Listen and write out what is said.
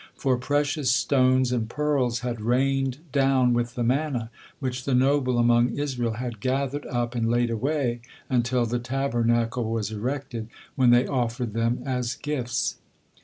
For precious stones and pearls had rained down with the manna, which the noble among Israel had gathered up and laid away until the Tabernacle was erected, when they offered them as gifts.